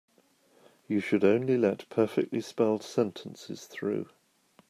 You should only let perfectly spelled sentences through.